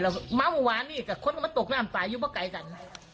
แล้วม้ำหวานนี่กะคนเข้ามาตกหน้ามตายอยู่ประไก่กัน